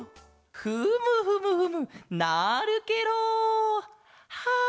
フムフムフムなるケロ！はあ